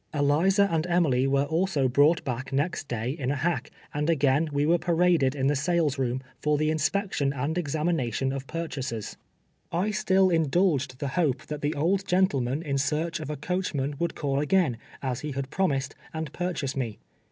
Eliza and Emily were also 84: TWELVE i^EAES A SIAVE. brouijlit back next day in a liack, and again were we paradt'd in tlio sales room, for tlie inspection and ex amination of purchasers. I still indulged the hope that the old gentleman in search of a coachman would call again, as he had promised, and pui'chase me.